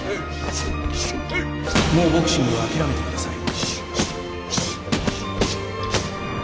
もうボクシングは諦めてください。